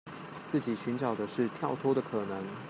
自己尋找的是跳脫的可能